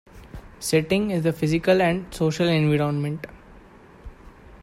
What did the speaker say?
"Setting" is the physical and social environment.